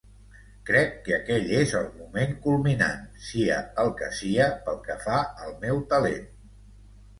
Crec que aquell és el moment culminant, sia el que sia, pel que fa al meu talent.